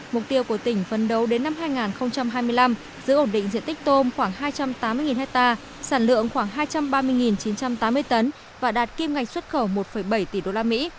mục tiêu của tỉnh phân đấu đến năm hai nghìn hai mươi năm giữ ổn định diện tích tôm khoảng hai trăm tám mươi ha sản lượng khoảng hai trăm ba mươi chín trăm tám mươi tấn và đạt kim ngạch xuất khẩu một bảy tỷ usd